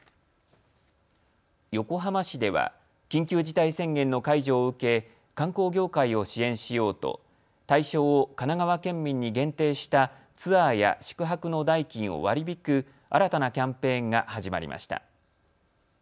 横浜市では緊急事態宣言の解除を受け観光業界を支援しようと対象を神奈川県民に限定したツアーや宿泊の代金を割り引く新たなキャンペーンが始まりました。